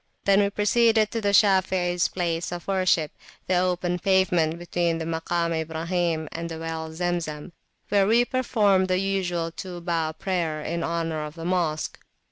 Then we proceeded to the Shafeis place of worshipthe open pavement between the Makam Ibrahim and the well Zemzemwhere we performed the usual two bow prayer in honour of the Mosque.